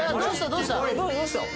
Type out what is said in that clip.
どうした？